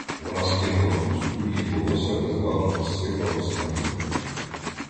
Вона скинула хустку, її волосся безладно розсипалось на груди.